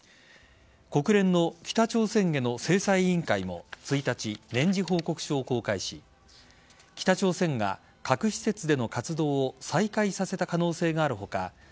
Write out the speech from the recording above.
国連の北朝鮮への制裁委員会も１日、年次報告書を公開し北朝鮮が核施設での活動を再開させた可能性がある他